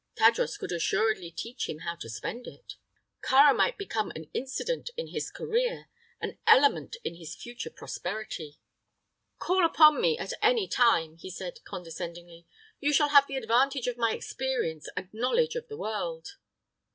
Tadros could assuredly teach him how to spend it. Kāra might become an incident in his career an element in his future prosperity. "Call upon me at any time," he said, condescendingly. "You shall have the advantage of my experience and knowledge of the world."